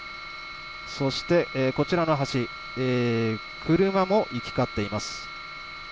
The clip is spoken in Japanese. そして、こちらの橋車も行き交っています。